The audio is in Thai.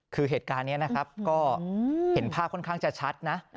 คือเหตุการณ์นี้นะครับก็เห็นภาพค่อนข้างจะชัดนะ